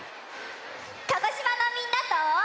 鹿児島のみんなと。